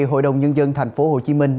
hội đồng nhân dân thành phố hồ chí minh